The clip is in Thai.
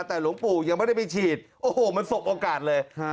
แต่หลวงปู่ยังไม่ได้ไปฉีดโอ้โหมันสบโอกาสเลย